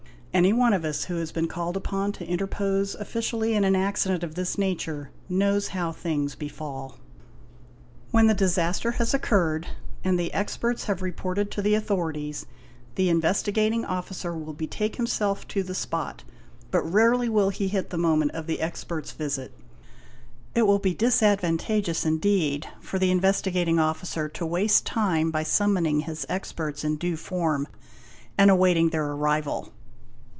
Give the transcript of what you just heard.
Any one of us who has been called upon to interpose officially in an accident of this nature, knows how things befall. When the disaster has occurred and the experts have reported to the authorities, the Investigating Officer will betake himself to the spot, but rarely will he hit the moment of the experts' visit; it will be disadvantageous, indeed, for the Investi gating Officer to waste time by summoning his experts in due form and awaiting their arrival.